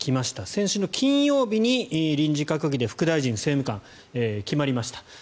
先週の金曜日に臨時閣議で副大臣・政務官、決まりました。